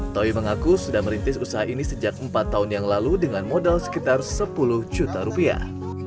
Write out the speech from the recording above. toy mengaku sudah merintis usaha ini sejak empat tahun yang lalu dengan modal sekitar sepuluh juta rupiah